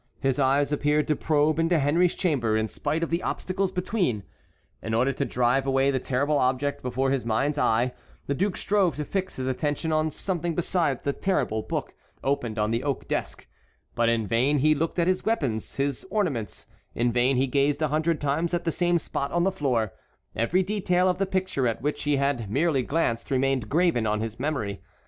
His eyes appeared to probe into Henry's chamber, in spite of the obstacles between. In order to drive away the terrible object before his mind's eye the duke strove to fix his attention on something besides the terrible book opened on the oak desk; but in vain he looked at his weapons, his ornaments; in vain he gazed a hundred times at the same spot on the floor; every detail of the picture at which he had merely glanced remained graven on his memory.